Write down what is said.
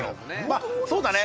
まあそうだね